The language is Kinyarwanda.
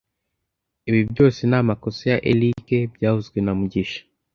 Ibi byose ni amakosa ya Eric byavuzwe na mugisha